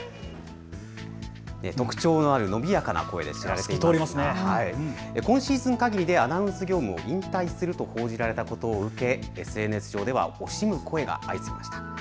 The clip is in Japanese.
特徴のある伸びやかな声で知られていますが今シーズンかぎりでアナウンス業務を引退すると報じられたことを受けＳＮＳ上では惜しむ声が相次ぎました。